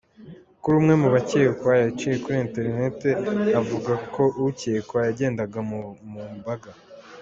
kuri umwe mu bakekwa yaciye kuri interineti avuga ko ukekwa yagendaga mu mbaga.